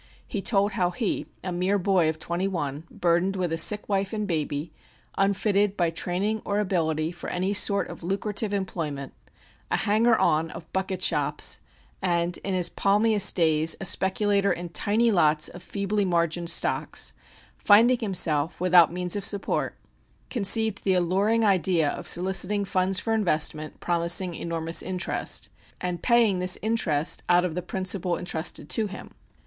He told how he, a mere boy of twenty one, burdened with a sick wife and baby, unfitted by training or ability for any sort of lucrative employment, a hanger on of bucket shops and, in his palmiest days, a speculator in tiny lots of feebly margined stocks, finding himself without means of support, conceived the alluring idea of soliciting funds for investment, promising enormous interest, and paying this interest out of the principal intrusted to him.